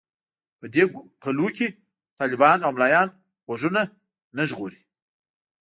په دې کلونو کې طالبان او ملايان غوږونه نه ژغوري.